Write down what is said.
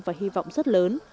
và hy vọng rất lớn